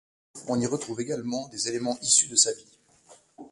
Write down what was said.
On y retrouve également des éléments issus de sa vie.